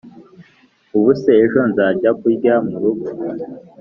Ubuse ejo nzajya kurya mu rugo